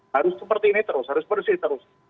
harus seperti ini terus harus bersih terus